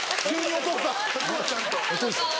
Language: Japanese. お父さん。